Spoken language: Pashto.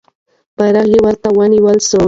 بیرغ ورته ونیول سو.